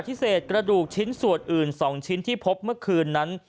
ประสิทธิ์เกราดูกชิ้นส่วนอื่น๒ชิ้นที่พบเมื่อคืนนั้น